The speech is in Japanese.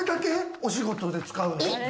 お仕事で使うの。